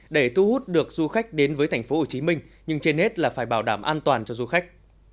để thu hút được du khách đến với tp hcm nhưng trên hết là phải bảo đảm an toàn cho du khách